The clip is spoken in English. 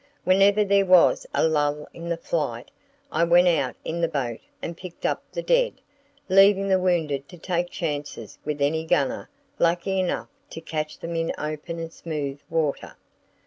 Whenever there was a lull in the flight I went out in the boat and picked up the dead, leaving the wounded to take chances with any gunner lucky enough to catch them in open and smooth water.